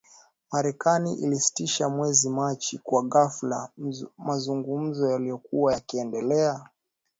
Marekani ilisitisha mwezi Machi kwa ghafla mazungumzo yaliokuwa yakiendelea.